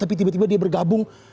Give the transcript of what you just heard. tapi tiba tiba dia bergabung